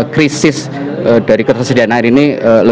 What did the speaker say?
krisis dari ketersediaan air ini